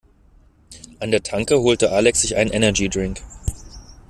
An der Tanke holte Alex sich einen Energy-Drink.